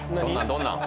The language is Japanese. どんなん？